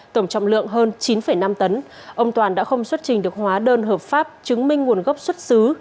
tổng trọng lượng hơn chín năm tấn ông toàn đã không xuất trình được hóa đơn hợp pháp chứng minh nguồn gốc xuất xứ